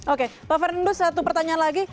oke pak ferinus satu pertanyaan lagi